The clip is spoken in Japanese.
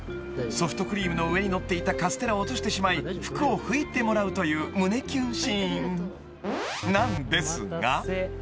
［ソフトクリームの上に載っていたカステラを落としてしまい服を拭いてもらうという胸きゅんシーンなんですが］